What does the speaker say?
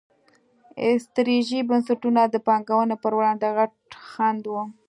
استثري بنسټونه د پانګونې پر وړاندې غټ خنډ وو.